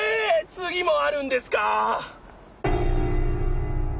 つぎもあるんですか？